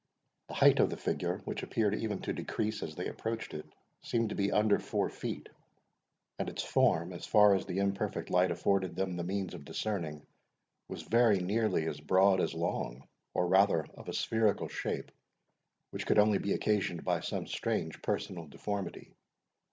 The height of the figure, which appeared even to decrease as they approached it, seemed to be under four feet, and its form, as far as the imperfect light afforded them the means of discerning, was very nearly as broad as long, or rather of a spherical shape, which could only be occasioned by some strange personal deformity.